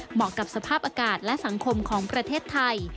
เหมาะกับสภาพอากาศและสังคมของประเทศไทย